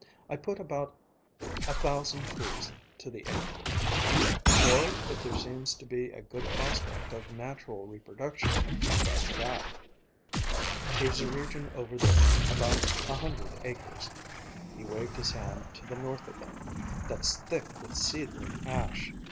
I put about a thousand trees to the acre. Or if there seems to be a good prospect of natural reproduction, I try for that. There's a region over there, about a hundred acres," he waved his hand to the north of them, "that's thick with seedling ash.